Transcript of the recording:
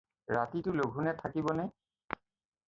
ৰাতিটো লঘোনে থাকিবনে?